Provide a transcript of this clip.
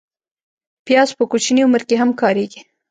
پیاز په کوچني عمر کې هم کارېږي